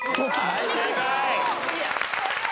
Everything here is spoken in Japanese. はい正解。